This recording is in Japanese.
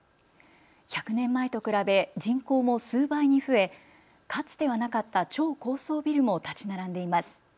１００年前と比べ人口も数倍に増え、かつてはなかった超高層ビルも建ち並んでいます。